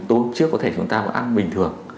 tối trước chúng ta có thể ăn bình thường